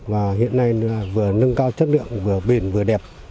và hiện nay vừa nâng cao chất lượng vừa bền vừa đẹp